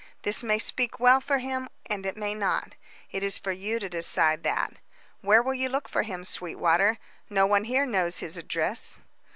This may speak well for him, and it may not. It is for you to decide that. Where will you look for him, Sweetwater? No one here knows his address."